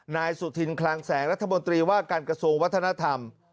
นายสุธินคลังแสงรัฐมนตรีว่าการกระทรวงวัฒนธรรม